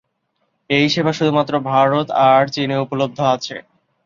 এই সেবা শুধুমাত্র ভারত অর চিনে উপলব্ধ আছে।